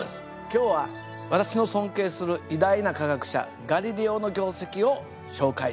今日は私の尊敬する偉大な科学者ガリレオの業績を紹介します。